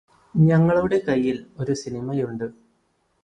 ഞങ്ങളുടെ കൈയ്യില് ഒരു സിനിമ ഉണ്ട്